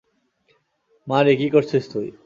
মারি, কী করছিস তুই?